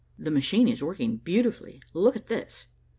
"The machine is working beautifully. Look at this."